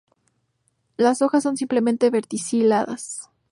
Las hojas son simples y verticiladas.